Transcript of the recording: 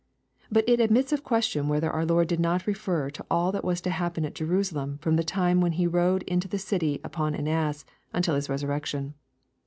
But it admits of question whether our Lord did not refer to all that was to happen at Jerusalem fi'om the time when He rode into the city upon an ass until His resurrection.